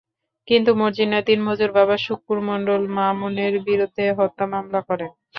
কিন্তু মর্জিনার দিনমজুর বাবা শুক্কুর মণ্ডল মামুনের বিরুদ্ধে হত্যা মামলা করেন।